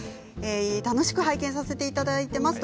楽しく拝見させていただいています。